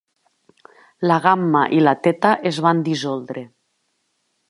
La Gamma i la Theta es van dissoldre.